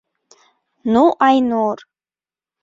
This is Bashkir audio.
Ну Айнур!